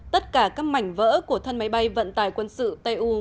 tất cả các mảnh vỡ của thân máy bay vận tải quân sự tu một trăm năm mươi bốn